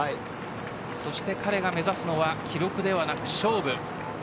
そして目指すのは記録ではなく勝負です。